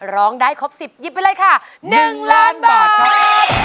ร้องได้ครบ๑๐หยิบไปเลยค่ะ๑ล้านบาทครับ